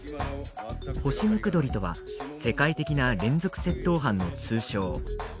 ホシムクドリとは世界的な連続窃盗犯の通称。